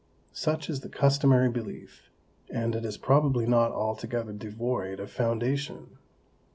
Such is the customary belief, and it is probably not altogether devoid of foundation.